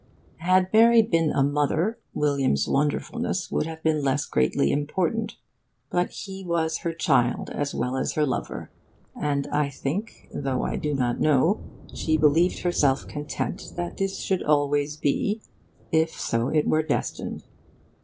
Had Mary been a mother, William's wonderfulness would have been less greatly important. But he was her child as well as her lover. And I think, though I do not know, she believed herself content that this should always be, if so it were destined.